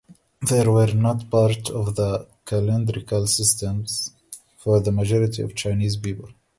They were not part of the calendrical systems for the majority of Chinese people.